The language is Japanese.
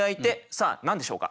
さあ何でしょうか。